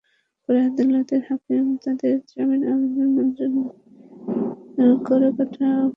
পরে আদালতের হাকিম তাঁদের জামিন আবেদন নামঞ্জুর করে কারাগারে পাঠানো নির্দেশ দেন।